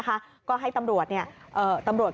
ป้าของน้องธันวาผู้ชมข่าวอ่อน